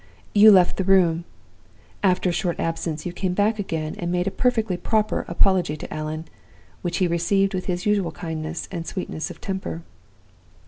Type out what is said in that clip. You left the room. After a short absence, you came back again, and made a perfectly proper apology to Allan, which he received with his usual kindness and sweetness of temper.